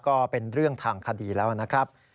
ก็เป็นเรื่องทางคดีแล้วนะครับ